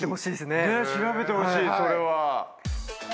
ねっ調べてほしいそれは。